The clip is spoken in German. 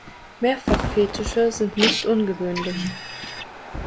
Mehrfach-Fetische sind nicht ungewöhnlich.